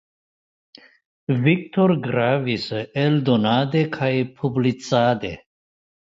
Victor gravis eldonade kaj publicade.